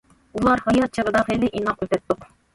ئۇلار ھايات چېغىدا خېلى ئىناق ئۆتەتتۇق.